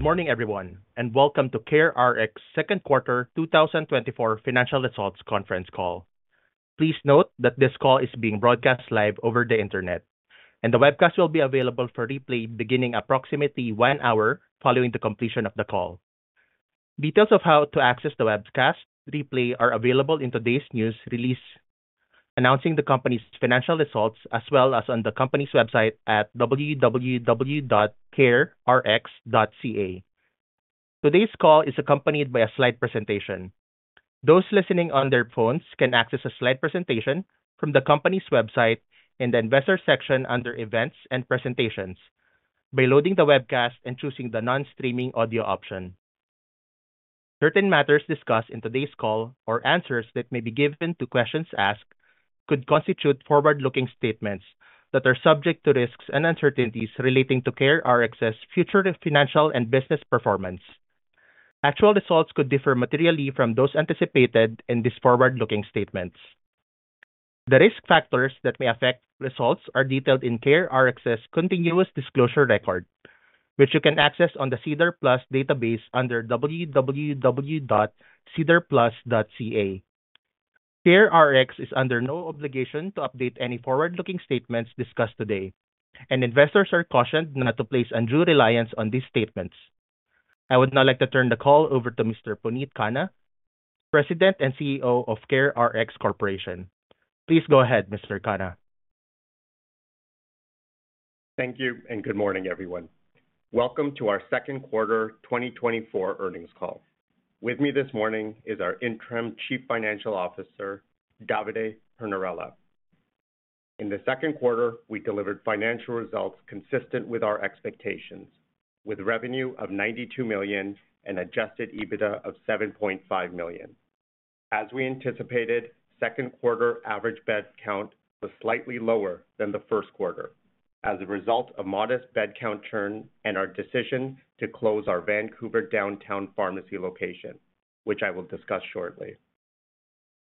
Good morning, everyone, and welcome to CareRx second quarter 2024 financial results conference call. Please note that this call is being broadcast live over the internet, and the webcast will be available for replay beginning approximately one hour following the completion of the call. Details of how to access the webcast replay are available in today's news release, announcing the company's financial results as well as on the company's website at www.carerx.ca. Today's call is accompanied by a slide presentation. Those listening on their phones can access a slide presentation from the company's website in the investor section under Events and Presentations by loading the webcast and choosing the non-streaming audio option. Certain matters discussed in today's call or answers that may be given to questions asked could constitute forward-looking statements that are subject to risks and uncertainties relating to CareRx's future financial and business performance. Actual results could differ materially from those anticipated in these forward-looking statements. The risk factors that may affect results are detailed in CareRx's continuous disclosure record, which you can access on the SEDAR+ database under www.sedarplus.ca. CareRx is under no obligation to update any forward-looking statements discussed today, and investors are cautioned not to place undue reliance on these statements. I would now like to turn the call over to Mr. Puneet Khanna, President and CEO of CareRx Corporation. Please go ahead, Mr. Khanna. Thank you, and good morning, everyone. Welcome to our second quarter 2024 earnings call. With me this morning is our interim Chief Financial Officer, Davide Pernarella. In the second quarter, we delivered financial results consistent with our expectations, with revenue of 92 million and adjusted EBITDA of 7.5 million. As we anticipated, second quarter average bed count was slightly lower than the first quarter as a result of modest bed count churn and our decision to close our Vancouver downtown pharmacy location, which I will discuss shortly.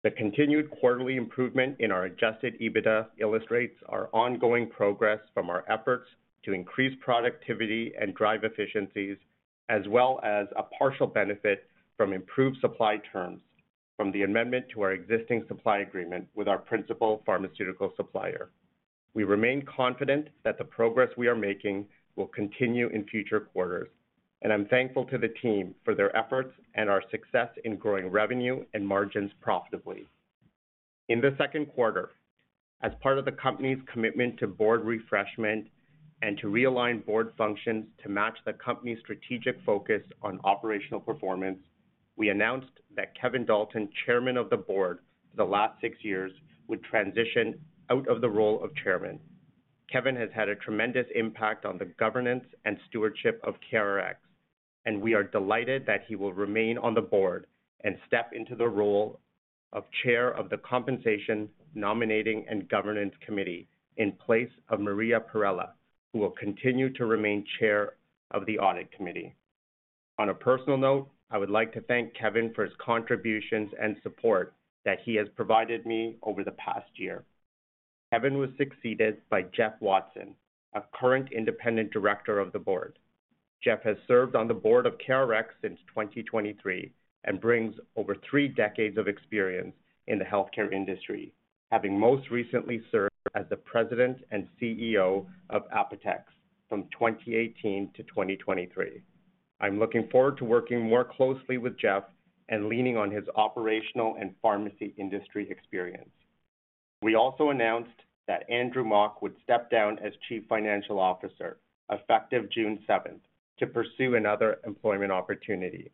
The continued quarterly improvement in our adjusted EBITDA illustrates our ongoing progress from our efforts to increase productivity and drive efficiencies, as well as a partial benefit from improved supply terms from the amendment to our existing supply agreement with our principal pharmaceutical supplier. We remain confident that the progress we are making will continue in future quarters, and I'm thankful to the team for their efforts and our success in growing revenue and margins profitably. In the second quarter, as part of the company's commitment to board refreshment and to realign board functions to match the company's strategic focus on operational performance, we announced that Kevin Dalton, Chairman of the Board for the last six years, would transition out of the role of Chairman. Kevin has had a tremendous impact on the governance and stewardship of CareRx, and we are delighted that he will remain on the board and step into the role of Chair of the Compensation, Nominating, and Governance Committee in place of Maria Perrella, who will continue to remain Chair of the Audit Committee. On a personal note, I would like to thank Kevin for his contributions and support that he has provided me over the past year. Kevin was succeeded by Jeff Watson, a current independent director of the board. Jeff has served on the board of CareRx since 2023 and brings over three decades of experience in the healthcare industry, having most recently served as the President and CEO of Apotex from 2018 to 2023. I'm looking forward to working more closely with Jeff and leaning on his operational and pharmacy industry experience. We also announced that Andrew Mock would step down as Chief Financial Officer, effective June 7th, to pursue another employment opportunity.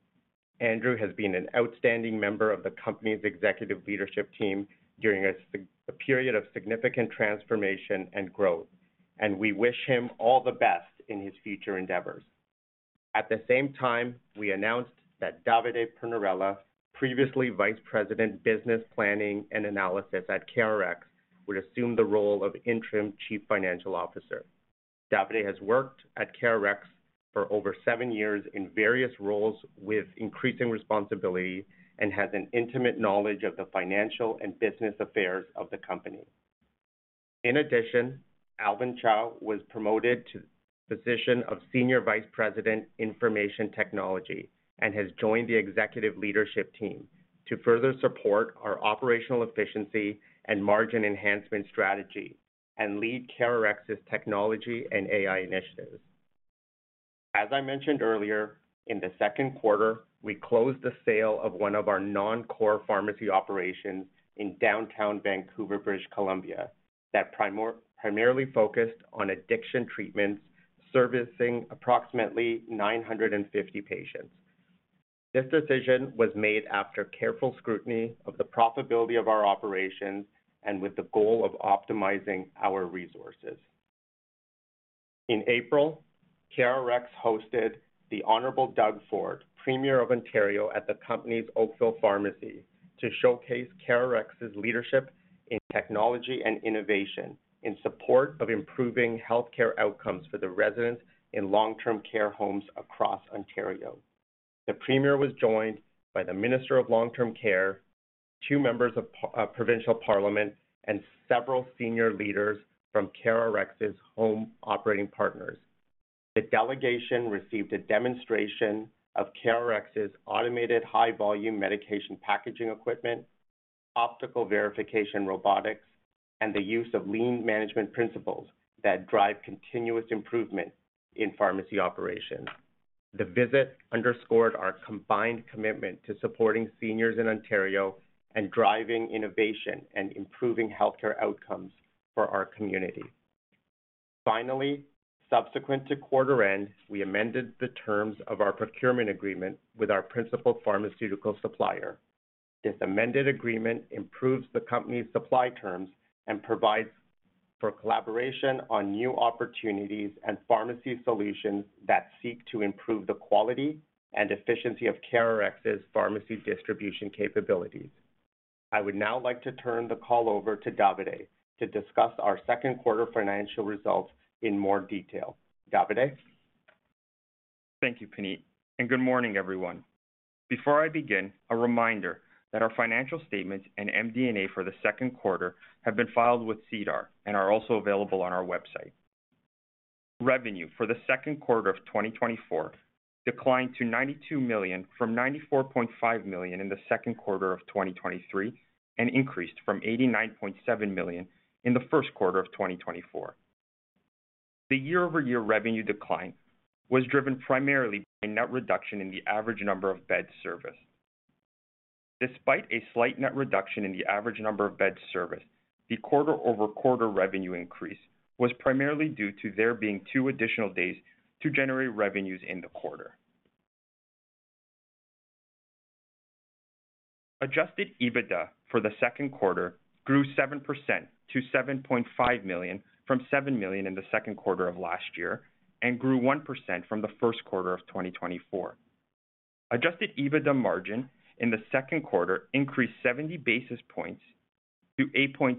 Andrew has been an outstanding member of the company's executive leadership team during a period of significant transformation and growth, and we wish him all the best in his future endeavors. At the same time, we announced that Davide Pernarella, previously Vice President, Business Planning and Analysis at CareRx, would assume the role of Interim Chief Financial Officer. Davide has worked at CareRx for over seven years in various roles with increasing responsibility and has an intimate knowledge of the financial and business affairs of the company. In addition, Alvin Chow was promoted to the position of Senior Vice President, Information Technology, and has joined the executive leadership team to further support our operational efficiency and margin enhancement strategy and lead CareRx's technology and AI initiatives. As I mentioned earlier, in the second quarter, we closed the sale of one of our non-core pharmacy operations in downtown Vancouver, British Columbia, that primarily focused on addiction treatments, servicing approximately 950 patients. This decision was made after careful scrutiny of the profitability of our operations and with the goal of optimizing our resources. In April, CareRx hosted the Honorable Doug Ford, Premier of Ontario, at the company's Oakville Pharmacy to showcase CareRx's leadership in technology and innovation in support of improving healthcare outcomes for the residents in long-term care homes across Ontario. The Premier was joined by the Minister of Long-Term Care, two members of Provincial Parliament and several senior leaders from CareRx's home operating partners. The delegation received a demonstration of CareRx's automated high-volume medication packaging equipment, optical verification robotics, and the use of lean management principles that drive continuous improvement in pharmacy operations. The visit underscored our combined commitment to supporting seniors in Ontario and driving innovation and improving healthcare outcomes for our community. Finally, subsequent to quarter end, we amended the terms of our procurement agreement with our principal pharmaceutical supplier. This amended agreement improves the company's supply terms and provides for collaboration on new opportunities and pharmacy solutions that seek to improve the quality and efficiency of CareRx's pharmacy distribution capabilities. I would now like to turn the call over to Davide to discuss our second quarter financial results in more detail. Davide? Thank you, Puneet, and good morning, everyone. Before I begin, a reminder that our financial statements and MD&A for the second quarter have been filed with SEDAR and are also available on our website. Revenue for the second quarter of 2024 declined to 92 million from 94.5 million in the second quarter of 2023 and increased from 89.7 million in the first quarter of 2024. The year-over-year revenue decline was driven primarily by net reduction in the average number of beds serviced. Despite a slight net reduction in the average number of beds serviced, the quarter-over-quarter revenue increase was primarily due to there being two additional days to generate revenues in the quarter. Adjusted EBITDA for the second quarter grew 7% to 7.5 million, from 7 million in the second quarter of last year, and grew 1% from the first quarter of 2024. Adjusted EBITDA margin in the second quarter increased 70 basis points to 8.2%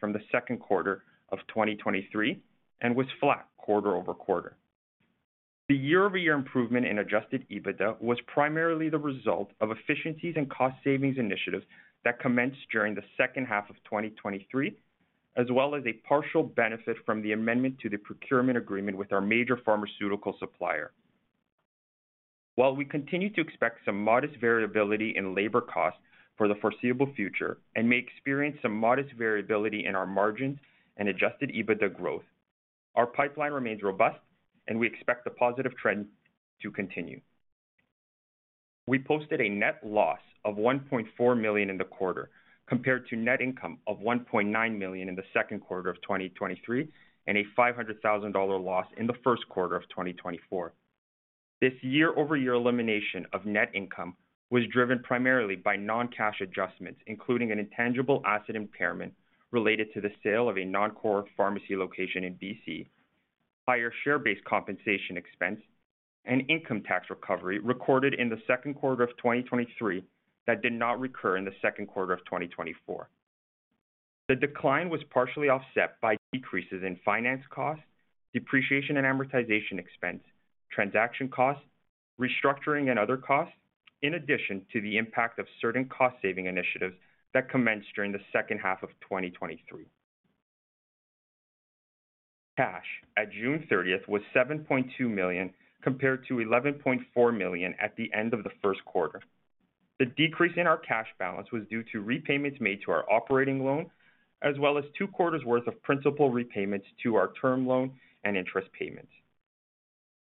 from the second quarter of 2023 and was flat quarter-over-quarter. The year-over-year improvement in adjusted EBITDA was primarily the result of efficiencies and cost savings initiatives that commenced during the second half of 2023, as well as a partial benefit from the amendment to the procurement agreement with our major pharmaceutical supplier. While we continue to expect some modest variability in labor costs for the foreseeable future and may experience some modest variability in our margins and adjusted EBITDA growth, our pipeline remains robust, and we expect the positive trend to continue. We posted a net loss of 1.4 million in the quarter, compared to net income of 1.9 million in the second quarter of 2023, and a 500,000 dollar loss in the first quarter of 2024. This year-over-year elimination of net income was driven primarily by non-cash adjustments, including an intangible asset impairment related to the sale of a non-core pharmacy location in BC, higher share-based compensation expense, and income tax recovery recorded in the second quarter of 2023 that did not recur in the second quarter of 2024. The decline was partially offset by decreases in finance costs, depreciation and amortization expense, transaction costs, restructuring and other costs, in addition to the impact of certain cost-saving initiatives that commenced during the second half of 2023. Cash at June 30th was 7.2 million, compared to 11.4 million at the end of the first quarter. The decrease in our cash balance was due to repayments made to our operating loan, as well as two quarters' worth of principal repayments to our term loan and interest payments.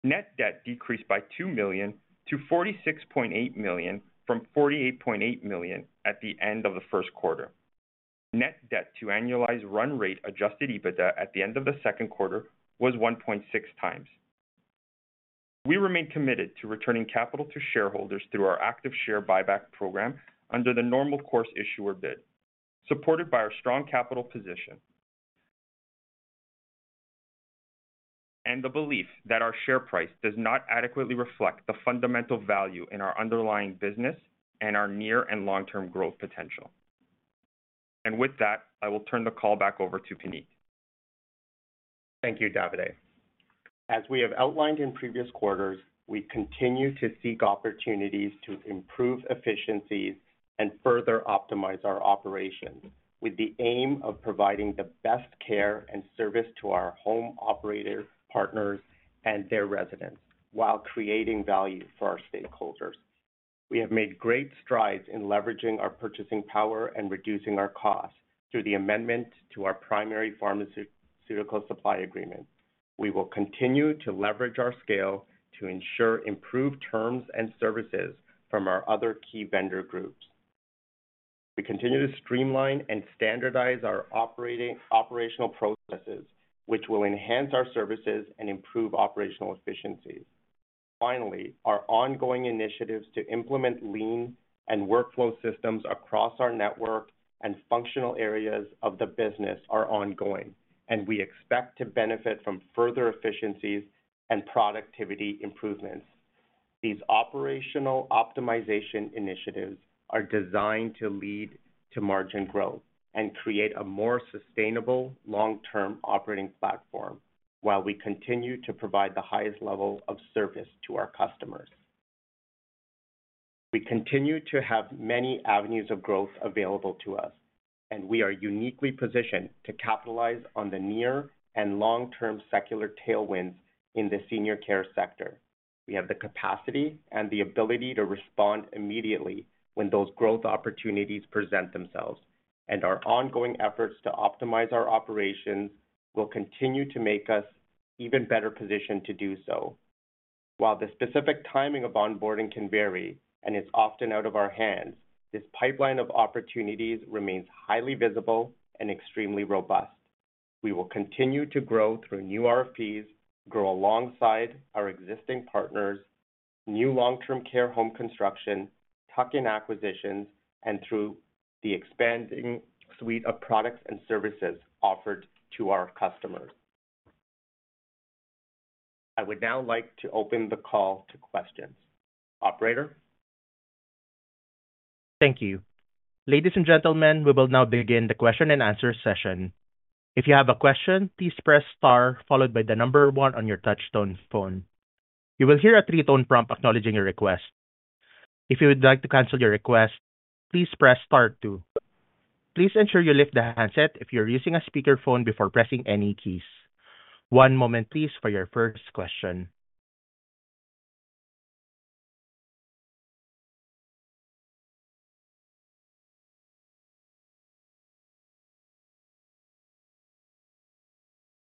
Net debt decreased by 2 million to 46.8 million, from 48.8 million at the end of the first quarter. Net debt to annualized run-rate Adjusted EBITDA at the end of the second quarter was 1.6 times. We remain committed to returning capital to shareholders through our active share buyback program under the normal course issuer bid, supported by our strong capital position. The belief that our share price does not adequately reflect the fundamental value in our underlying business and our near and long-term growth potential. With that, I will turn the call back over to Puneet. Thank you, Davide. As we have outlined in previous quarters, we continue to seek opportunities to improve efficiencies and further optimize our operations, with the aim of providing the best care and service to our home operator partners and their residents, while creating value for our stakeholders. We have made great strides in leveraging our purchasing power and reducing our costs through the amendment to our primary pharmaceutical supply agreement. We will continue to leverage our scale to ensure improved terms and services from our other key vendor groups. We continue to streamline and standardize our operational processes, which will enhance our services and improve operational efficiencies. Finally, our ongoing initiatives to implement lean and workflow systems across our network and functional areas of the business are ongoing, and we expect to benefit from further efficiencies and productivity improvements. These operational optimization initiatives are designed to lead to- To margin growth and create a more sustainable long-term operating platform, while we continue to provide the highest level of service to our customers. We continue to have many avenues of growth available to us, and we are uniquely positioned to capitalize on the near and long-term secular tailwinds in the senior care sector. We have the capacity and the ability to respond immediately when those growth opportunities present themselves, and our ongoing efforts to optimize our operations will continue to make us even better positioned to do so. While the specific timing of onboarding can vary and is often out of our hands, this pipeline of opportunities remains highly visible and extremely robust. We will continue to grow through new RFPs, grow alongside our existing partners, new long-term care home construction, tuck-in acquisitions, and through the expanding suite of products and services offered to our customers. I would now like to open the call to questions. Operator? Thank you. Ladies and gentlemen, we will now begin the question and answer session. If you have a question, please press star followed by the number one on your touchtone phone. You will hear a three-tone prompt acknowledging your request. If you would like to cancel your request, please press star two. Please ensure you lift the handset if you're using a speakerphone before pressing any keys. One moment please, for your first question.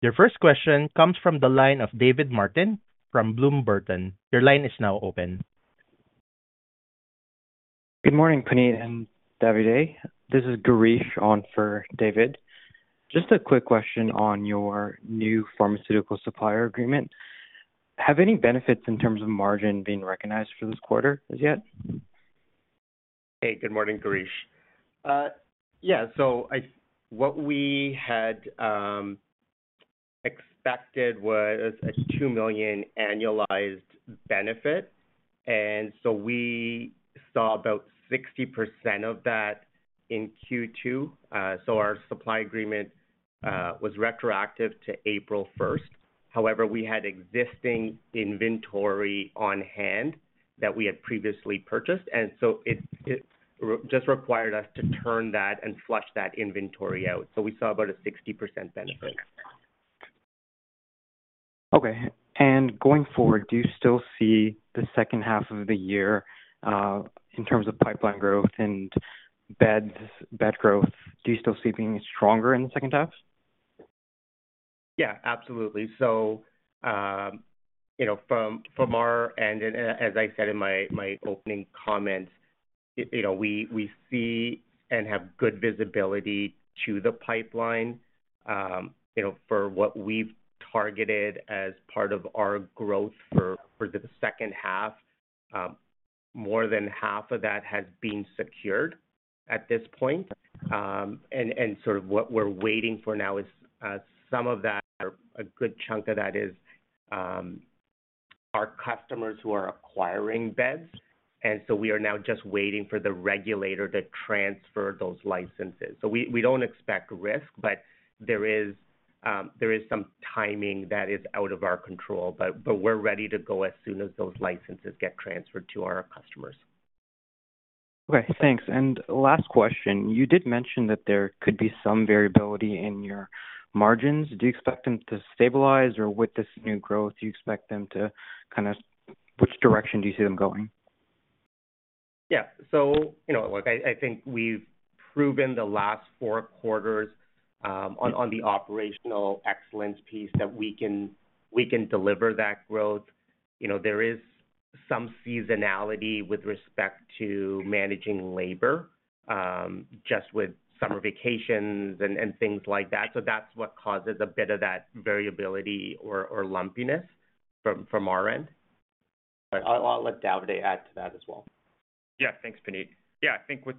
Your first question comes from the line of David Martin from Bloom Burton. Your line is now open. Good morning, Puneet and Davide. This is Gireesh on for David. Just a quick question on your new pharmaceutical supplier agreement. Have any benefits in terms of margin being recognized for this quarter as yet? Hey, good morning, Gireesh. Yeah, so what we had expected was a 2 million annualized benefit, and so we saw about 60% of that in Q2. So our supply agreement was retroactive to April first. However, we had existing inventory on hand that we had previously purchased, and so it just required us to turn that and flush that inventory out. So we saw about a 60% benefit. Okay. Going forward, do you still see the second half of the year in terms of pipeline growth and beds, bed growth, do you still see being stronger in the second half? Yeah, absolutely. So, you know, from our end, and as I said in my opening comments, you know, we see and have good visibility to the pipeline. You know, for what we've targeted as part of our growth for the second half, more than half of that has been secured at this point. And sort of what we're waiting for now is some of that, a good chunk of that is our customers who are acquiring beds, and so we are now just waiting for the regulator to transfer those licenses. So we don't expect risk, but there is some timing that is out of our control, but we're ready to go as soon as those licenses get transferred to our customers. Okay, thanks. Last question, you did mention that there could be some variability in your margins. Do you expect them to stabilize, or with this new growth, do you expect them to kind of. Which direction do you see them going? Yeah. So, you know, look, I think we've proven the last four quarters on the operational excellence piece, that we can deliver that growth. You know, there is some seasonality with respect to managing labor just with summer vacations and things like that. So that's what causes a bit of that variability or lumpiness from our end. I'll let Davide add to that as well. Yeah, thanks, Puneet. Yeah, I think with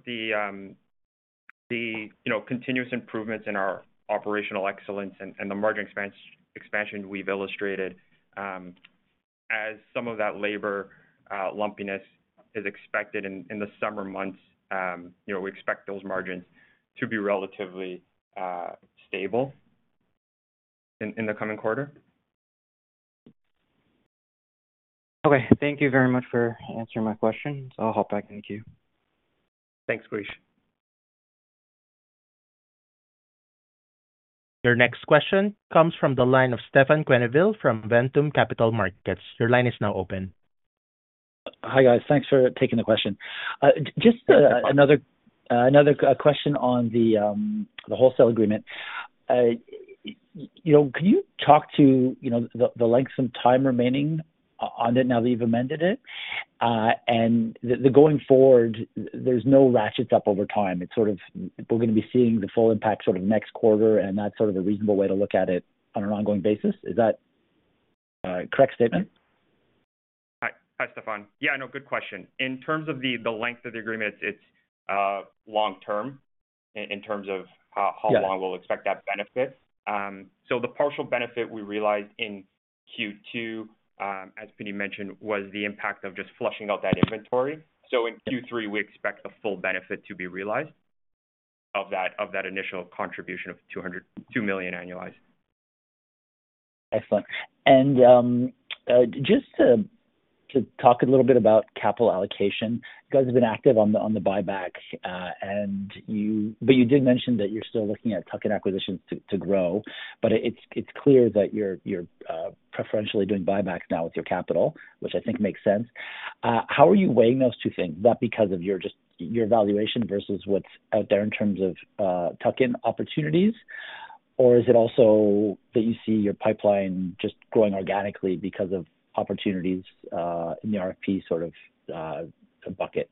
the, you know, continuous improvements in our operational excellence and the margin expansion we've illustrated, as some of that labor lumpiness is expected in the summer months, you know, we expect those margins to be relatively stable in the coming quarter. Okay. Thank you very much for answering my questions. I'll hop back in the queue. Thanks, Gireesh. Your next question comes from the line of Stefan Quenneville from Ventum Capital Markets. Your line is now open. Hi, guys. Thanks for taking the question. Just another question on the wholesale agreement. You know, can you talk to the length some time remaining on it now that you've amended it? And the going forward, there's no ratchets up over time. It's sort of we're gonna be seeing the full impact sort of next quarter, and that's sort of a reasonable way to look at it on an ongoing basis. Is that a correct statement? Hi. Hi, Stefan. Yeah, no, good question. In terms of the length of the agreement, it's long term in terms of how- Yes. -long we'll expect that benefit. So the partial benefit we realized in Q2, as Puneet mentioned, was the impact of just flushing out that inventory. So in Q3, we expect the full benefit to be realized of that, of that initial contribution of 2 million annualized. Excellent. And just to talk a little bit about capital allocation. You guys have been active on the buyback, but you did mention that you're still looking at tuck-in acquisitions to grow. But it's clear that you're preferentially doing buybacks now with your capital, which I think makes sense. How are you weighing those two things? Is that because of just your valuation versus what's out there in terms of tuck-in opportunities? Or is it also that you see your pipeline just growing organically because of opportunities in the RFP sort of bucket?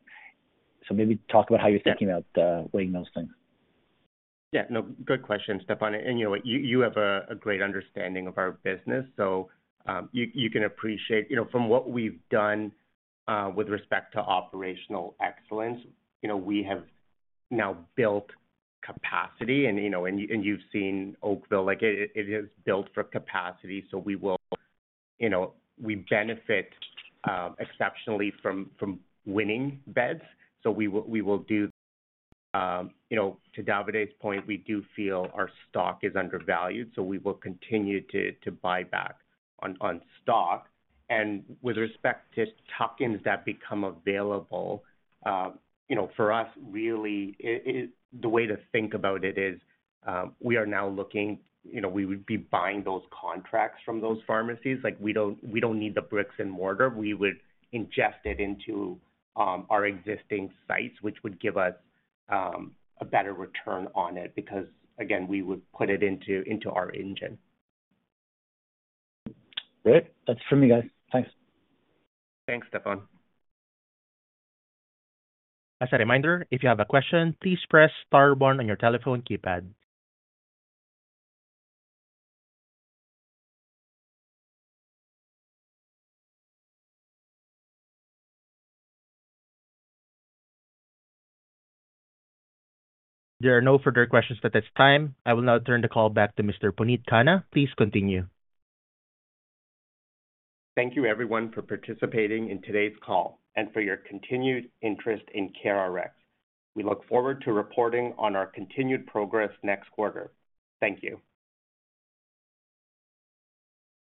So maybe talk about how you're thinking about weighing those two things. Yeah, no, good question, Stefan. And, you know, you have a great understanding of our business, so, you can appreciate, you know, from what we've done, with respect to operational excellence, you know, we have now built capacity and, you know, and you've seen Oakville, like, it is built for capacity, so we will... You know, we benefit exceptionally from winning bids, so we will do, you know, to Davide's point, we do feel our stock is undervalued, so we will continue to buy back on stock. And with respect to tuck-ins that become available, you know, for us, really, it, the way to think about it is, we are now looking, you know, we would be buying those contracts from those pharmacies. Like, we don't need the bricks and mortar. We would ingest it into our existing sites, which would give us a better return on it, because, again, we would put it into our engine. Great. That's it for me, guys. Thanks. Thanks, Stefan. As a reminder, if you have a question, please press star one on your telephone keypad. There are no further questions at this time. I will now turn the call back to Mr. Puneet Khanna. Please continue. Thank you everyone for participating in today's call and for your continued interest in CareRx. We look forward to reporting on our continued progress next quarter. Thank you.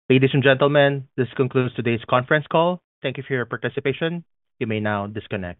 Ladies and gentlemen, this concludes today's conference call. Thank you for your participation. You may now disconnect.